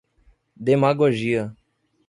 demagogia